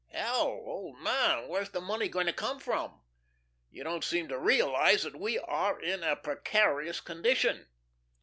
Hell, old man, where's the money going to come from? You don't seem to realise that we are in a precarious condition."